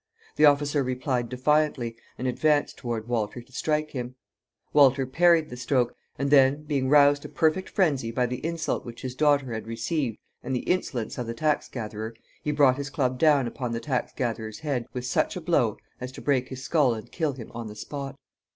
The officer replied defiantly, and advanced toward Walter to strike him. Walter parried the stroke, and then, being roused to perfect phrensy by the insult which his daughter had received and the insolence of the tax gatherer, he brought his club down upon the tax gatherer's head with such a blow as to break his skull and kill him on the spot.